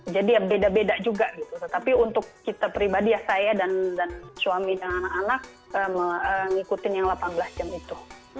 jadi ya beda beda juga gitu tetapi untuk kita pribadi ya saya dan suami dan anak anak mengikuti yang delapan belas jam itu